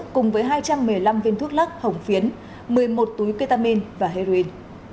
cùng với hai trăm một mươi năm viên thuốc lắc hồng phiến một mươi một túi ketamin và heroin